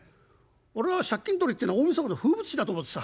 俺は借金取りってえのは大みそかの風物詩だと思ってた。